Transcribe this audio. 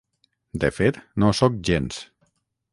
De fet no ho soc gens